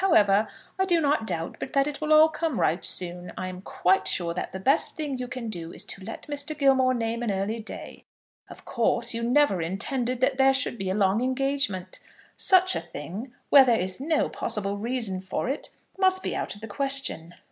However, I do not doubt but that it will all come right soon. I am quite sure that the best thing you can do is to let Mr. Gilmore name an early day. Of course you never intended that there should be a long engagement. Such a thing, where there is no possible reason for it, must be out of the question.